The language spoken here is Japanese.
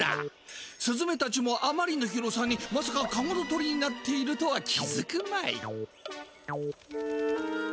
スズメたちもあまりの広さにまさかカゴの鳥になっているとは気づくまい。